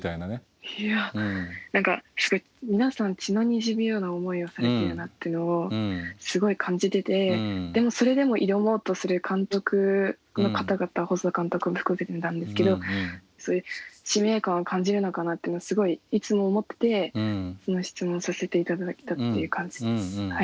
いや何かすごい皆さん血のにじむような思いをされているなっていうのをすごい感じててそれでも挑もうとする監督の方々細田監督も含めてなんですけど使命感を感じるのかなってのをすごいいつも思っててこの質問をさせて頂いたっていう感じです。